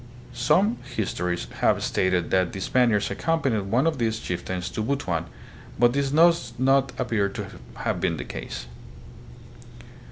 Some histories have stated that the Spaniards accompanied one of these chieftains to Butuan, but this does not appear to have been the case.